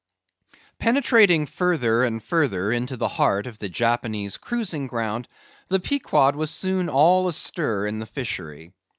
Penetrating further and further into the heart of the Japanese cruising ground, the Pequod was soon all astir in the fishery.